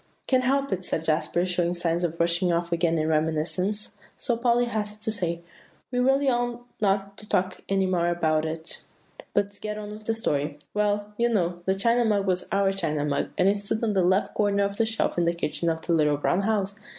"Can't help it," said Jasper, showing signs of rushing off again in reminiscence; so Polly hastened to say, "We really ought not to talk any more about it, but get on with the story. Well, you know, the China Mug was our China Mug, and it stood on the left corner of the shelf in the kitchen of The Little Brown House."